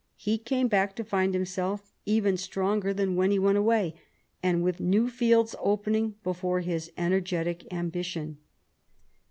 He came back to find himself even stronger than when he went away, and with new fields opening before his energetic ambition.